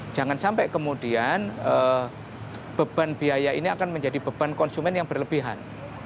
jangan sampai kemudian beban biaya ini akan menjadi beban konsumen yang berlebihan